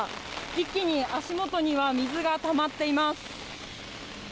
一気に足元には水がたまっています。